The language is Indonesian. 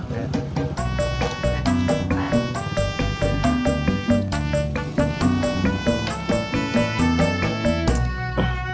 boleh kalau gitu